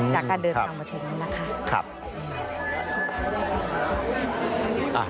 จากการเดินทางมาถึงนี่นะคะ